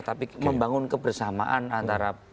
tapi membangun kebersamaan antara